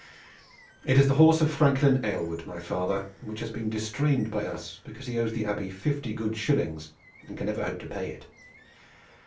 It is the horse of Franklin Aylward, my father, which has been distrained by us because he owes the Abbey fifty good shillings and can never hope to pay it.